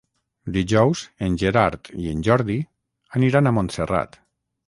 Dijous en Gerard i en Jordi aniran a Montserrat.